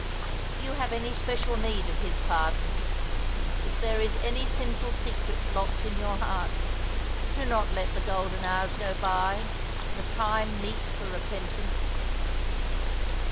If you have any special need of His pardon ; if there is any sinful secret locked in your heart ; do not let the golden hours go by — the time meet for repentance."